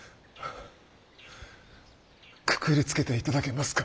くくりつけて頂けますか？